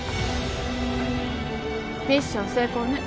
ミッション成功ね。